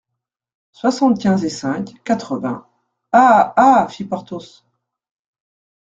Soixante-quinze et cinq, quatre-vingts … Ah ! ah ! fit Porthos.